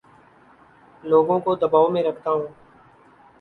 لوگوں کو دباو میں رکھتا ہوں